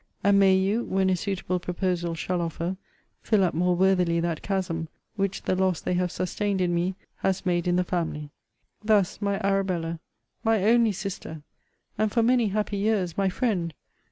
And may you, when a suitable proposal shall offer, fill up more worthily that chasm, which the loss they have sustained in me has made in the family! Thus, my Arabella! my only sister! and for many happy years, my friend!